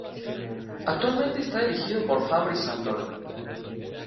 Actualmente está dirigido por Fabrice Santoro.